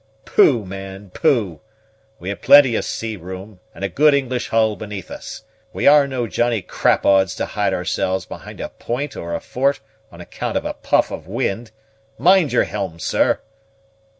"Pooh, man, pooh! We have plenty of sea room, and a good English hull beneath us. We are no Johnny Crapauds to hide ourselves behind a point or a fort on account of a puff of wind. Mind your helm, sir!"